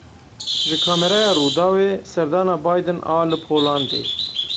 Ji kamereya Rûdawê serdana Biden a li Polandê.